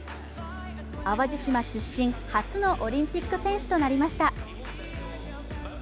淡路島出身初のオリンピック選手となりました。